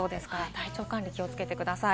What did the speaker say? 体調管理、気をつけてください。